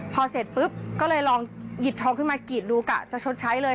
พอเสร็จปุ๊บก็เลยลองหยิบทองขึ้นมากรีดดูกะจะชดใช้เลย